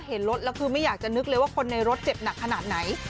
เห็นรถแล้วคือไม่อยากจะนึกเลยว่าคนในรถเจ็บหนักขนาดไหน